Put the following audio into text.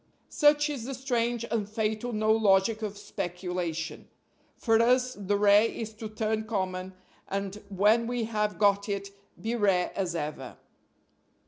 Such is the strange and fatal no logic of speculation. For us the rare is to turn common, and, when we have got it, be rare as ever.